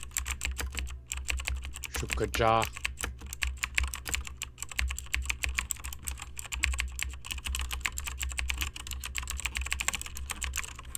Shukajáa!